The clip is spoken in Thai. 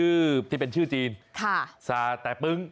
สาเตะเป็นชื่อจินศาถะ้ปึ้ง